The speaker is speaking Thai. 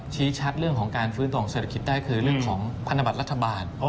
ชี้ชัดเรื่องของการฟื้นตัวของเศรษฐกิจได้คือเรื่องของพันธบัตรรัฐบาล